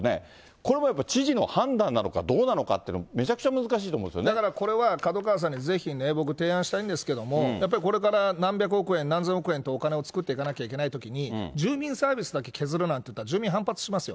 これもやっぱり、知事の判断なのかどうなのかって、めちゃくちゃだからこれは門川さんにぜひね、僕提案したいんですけど、やっぱりこれから何百億円、何千億円とお金を作っていかなきゃいけないときに、住民サービスだけ削るなんて言ったら、住民反発しますよ。